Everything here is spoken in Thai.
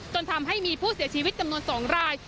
จนทำให้มีผู้เสียชีวิตจำนวน๒ราย